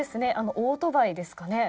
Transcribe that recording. オートバイですかね。